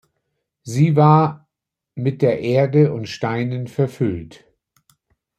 Sie war mit der Erde und Steinen verfüllt.